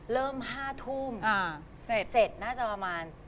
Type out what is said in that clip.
เริ่ม๕ทุ่มเสร็จน่าจะประมาณ